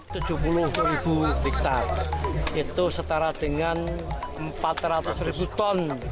tujuh puluh ribu hektare itu setara dengan empat ratus ribu ton